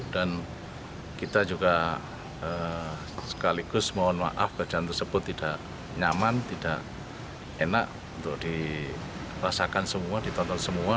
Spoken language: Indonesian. dan kita juga sekaligus mohon maaf kerjaan tersebut tidak nyaman tidak enak untuk dirasakan semua ditonton semua